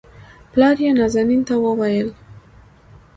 پلار يې نازنين ته وويل